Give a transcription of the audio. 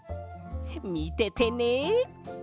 みててね！